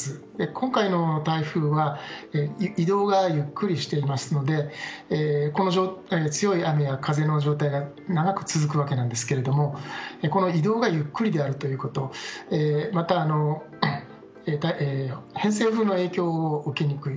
今回の台風は移動がゆっくりしていますので強い雨や風の状態が長く続くわけなんですがこの移動がゆっくりであるということまた偏西風の影響を受けにくい。